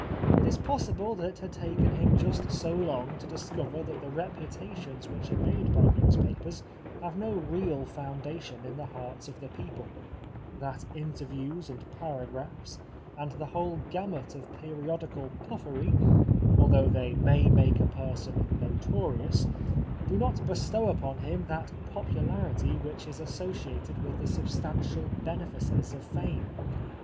It is possible that it had taken him just so long to discover that the reputations which are made by newspapers have no real foundation in the hearts of the people, that interviews and paragraphs, and the whole gamut of periodical puffery, although they may make a person notorious, do not bestow upon him that popu larity which is associated with the substantial benefices of fame.